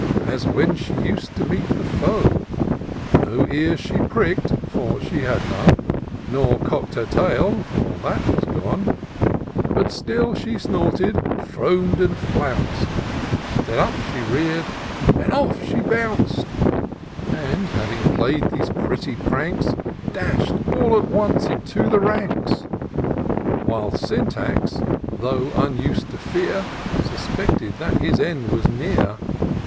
As when she used to meet the foe: No ears she prick'd, for she had none ; Nor cock'd her tail, for that was gone; But still she snorted, foam'd, and flounced ; Then up she rear'd, and off she boune'd ; And, having play'd these pretty pranks, Dash'd all at once into the ranks ! While Syntax, though xmus'd to fear, Suspected that his end was near.